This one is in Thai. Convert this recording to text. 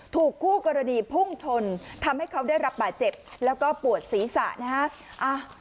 ถูกคู่กรณีพุ่งชนทำให้เขาได้รับบาดเจ็บแล้วก็ปวดศีรษะนะฮะ